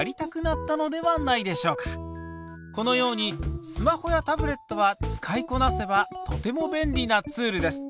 このようにスマホやタブレットは使いこなせばとても便利なツールです。